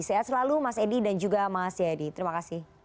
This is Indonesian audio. sehat selalu mas edi dan juga mas jayadi terima kasih